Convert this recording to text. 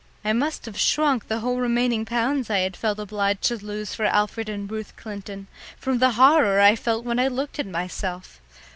I must have shrunk the whole remaining pounds I had felt obliged to lose for Alfred and Ruth Clinton, from the horror I felt when I looked at myself.